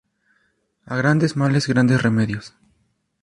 A grandes males, grandes remedios